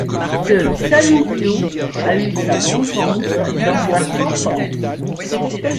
Ce saloupiaud a eu sa vengeance dans sa sentence.